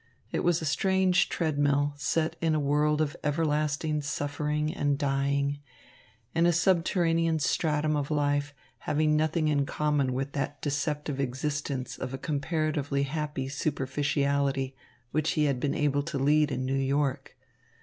It was a strange treadmill, set in a world of everlasting suffering and dying, in a subterranean stratum of life, having nothing in common with that deceptive existence of a comparatively happy superficiality which he had been able to lead in New York.